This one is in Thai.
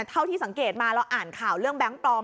เท่าที่สังเกตมาเราอ่านข่าวเรื่องแบงค์ปลอม